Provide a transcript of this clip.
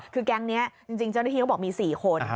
คือแกงนี้จริงจริงเจ้าหน้าทีก็บอกมี๔คน